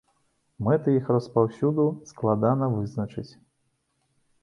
Мэты іх распаўсюду складана вызначыць.